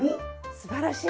すばらしい。